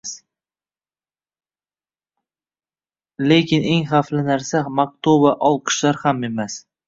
Lekin eng xavfli narsa maqtov va olqishlar ham emas